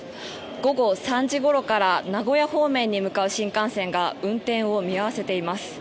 午後３時ごろから名古屋方面に向かう新幹線が運転を見合わせています。